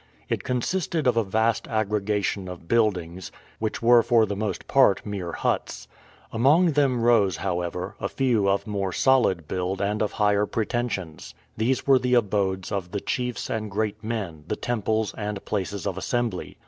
It consisted of a vast aggregation of buildings, which were for the most part mere huts. Among them rose, however, a few of more solid build and of higher pretensions. These were the abodes of the chiefs and great men, the temples, and places of assembly.